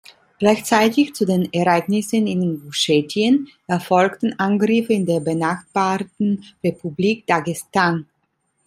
Gleichzeitig zu den Ereignissen in Inguschetien erfolgten Angriffe in der benachbarten Republik Dagestan.